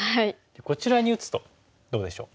こちらに打つとどうでしょう？